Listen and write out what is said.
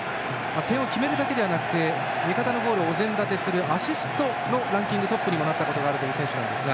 点を決めるだけでなく味方のゴールをお膳立てするアシストのランキングでトップにもなったことがある選手ですが。